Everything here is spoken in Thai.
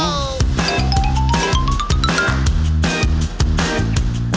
เป็นหิวเหอะ